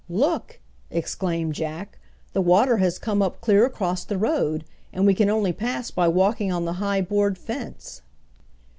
"Look!" exclaimed Jack; "the water has come up clear across the road, and we can only pass by walking on the high board fence."